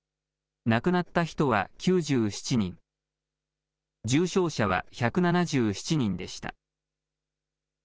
亡くなった人は９７人、重症者は１７７人でした。